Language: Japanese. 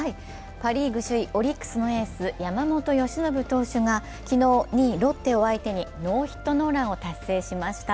パ・リーグ首位オリックスのエース山本由伸投手が昨日、２位・ロッテを相手にノーヒットノーランを達成しました。